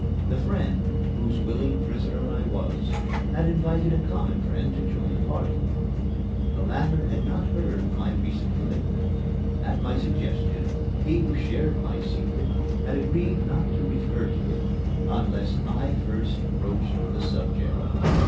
The friend, whose willing prisoner I was, had invited a common friend to join the party. The latter had not heard of my recent commitment. At my suggestion, he who shared my secret had agreed not to refer to it unless I first broached the subject.